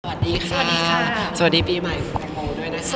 สวัสดีค่ะสวัสดีปีใหม่มาดูด้วยนะครับ